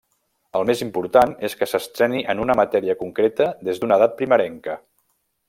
El més important és que s'entreni en una matèria concreta des d'una edat primerenca.